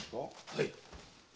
はい。